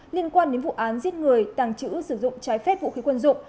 liên quan đến vụ án giết người tàng trữ sử dụng trái phép vũ khí quân dụng